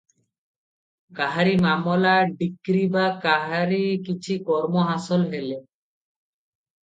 କାହାରି ମାମଲା ଡିକ୍ରୀ ବା କାହାରି କିଛି କର୍ମ ହାସଲ ହେଲେ